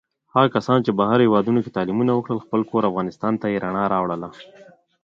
هغو کسانو چې بهر هېوادونوکې تعلیمونه وکړل، خپل کور افغانستان ته یې رڼا راوړله.